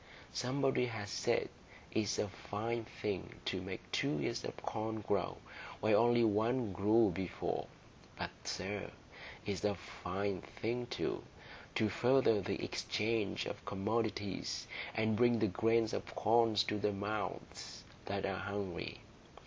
Somebody has said it's a fine thing to make two ears of corn grow where only one grew before; but, sir, it's a fine thing, too, to further the exchange of commodities, and bring the grains of corn to the mouths that are hungry.